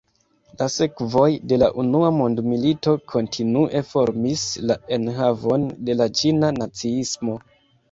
La sekvoj de la Unua Mondmilito kontinue formis la enhavon de la Ĉina naciismo.